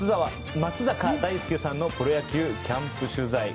松坂大輔さんのプロ野球キャンプ取材。